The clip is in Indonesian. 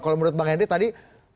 kalau menurut bang henry tadi